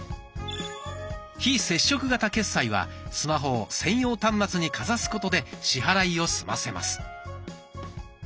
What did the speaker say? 「非接触型決済」はスマホを専用端末にかざすことで支払いを済ませます。